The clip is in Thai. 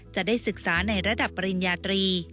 จะได้ศึกษาในระดับปริญญาตรี